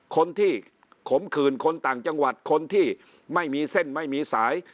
คนที่ขมขืนคนต่างจังหวัดคนที่ไม่มีเส้นไม่มีสาย